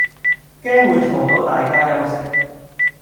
驚會嘈到大家休息